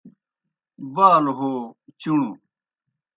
بالوْ ہو چُݨوْ